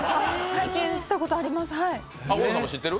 拝見したことあります。